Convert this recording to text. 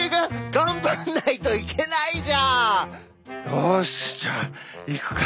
よしじゃあいくか。